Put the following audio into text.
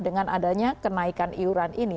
dengan adanya kenaikan iuran ini